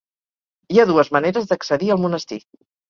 Hi ha dues maneres d'accedir al monestir.